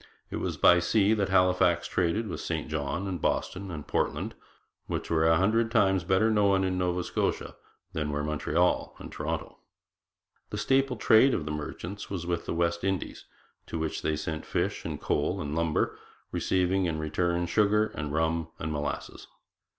It was by sea that Halifax traded with St John and Boston and Portland, which were a hundred times better known in Nova Scotia than were Montreal and Toronto. The staple trade of the merchants was with the West Indies, to which they sent fish and coal and lumber, receiving in return sugar and rum and molasses.